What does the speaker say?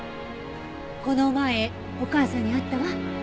この前お母さんに会ったわ。